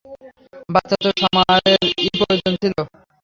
বাচ্চা তো সামারের- ই প্রয়োজন ছিলো।